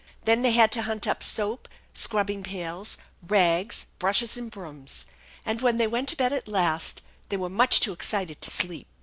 Then they had to hunt up soap, scrubbing pails, rags, brushes and brooms ; and, when they went to bed at last, they were much too excited to sleep.